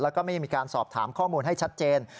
แล้วก็ไม่มีการสอบถามข้อมูลให้ชัดเจน